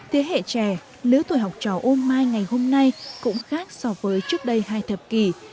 thế hệ trẻ lứa tuổi học trò ôm mai ngày hôm nay cũng khác so với trước đây hai thập kỷ